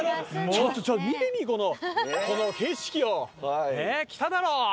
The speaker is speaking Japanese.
ちょっとちょっと見てみこのこの景色を。ね来ただろ！